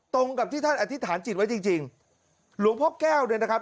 ตรงกับที่ท่านอธิษฐานจิตไว้จริงจริงหลวงพ่อแก้วเนี่ยนะครับ